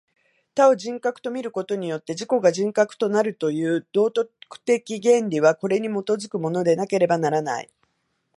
他を人格と見ることによって自己が人格となるという道徳的原理は、これに基づくものでなければならない。